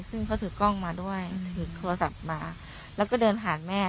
ซึ่งเขาถือกล้องมาด้วยถือโทรศัพท์มาแล้วก็เดินผ่านแม่